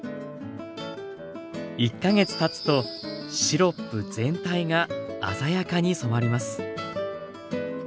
１か月たつとシロップ全体が鮮やかに染まります。